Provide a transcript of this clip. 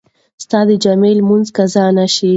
ستا د جمعې لمونځ قضا نه شي.